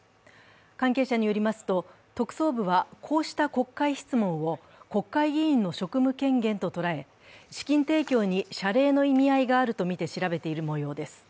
関係者によりますと、特捜部はこうした国会質問を国会議員の職務権限と捉え資金提供に謝礼の意味合いがあるとみて調べているもようです。